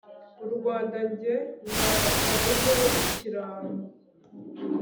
u rwanda nge ndata rube ikirango